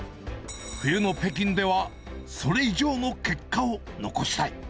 冬の北京では、それ以上の結果を残したい。